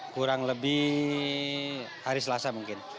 kurang lebih hari selasa mungkin